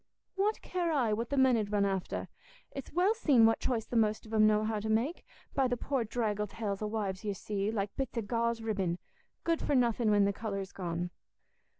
"What care I what the men 'ud run after? It's well seen what choice the most of 'em know how to make, by the poor draggle tails o' wives you see, like bits o' gauze ribbin, good for nothing when the colour's gone."